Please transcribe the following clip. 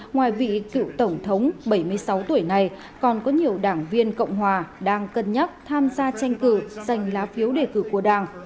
ngoài vị cựu tổng thống bảy mươi sáu tuổi này còn có nhiều đảng viên cộng hòa đang cân nhắc tham gia tranh cử giành lá phiếu đề cử của đảng